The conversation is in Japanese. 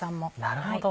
なるほど。